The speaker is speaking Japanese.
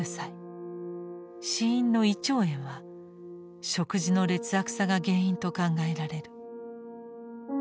死因の「胃腸炎」は食事の劣悪さが原因と考えられる。